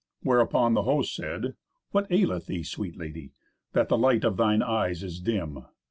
Whereupon the host said, "What aileth thee, sweet Lady, that the light of thine eyes is dim?